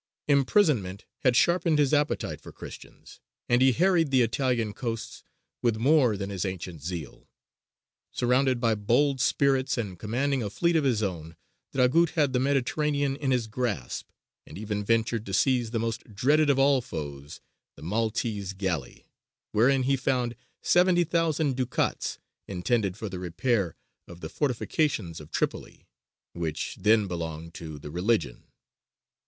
Imprisonment had sharpened his appetite for Christians, and he harried the Italian coasts with more than his ancient zeal. Surrounded by bold spirits and commanding a fleet of his own, Dragut had the Mediterranean in his grasp, and even ventured to seize the most dreaded of all foes, a Maltese galley, wherein he found 70,000 ducats intended for the repair of the fortifications of Tripoli, which then belonged to "the Religion."